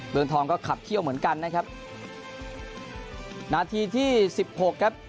เมืองทองก็ขับเขี้ยวเหมือนกันนะครับนาทีที่สิบหกครับ